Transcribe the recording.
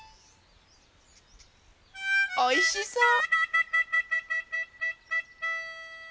おいしそう！